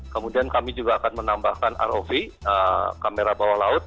kemudian kami juga akan menambahkan rov kamera bawah laut